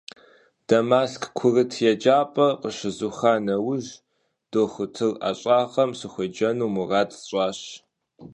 Дамаск курыт еджапӀэр къыщызуха нэужь, дохутыр ӀэщӀагъэм сыхуеджэну мурад сщӀащ.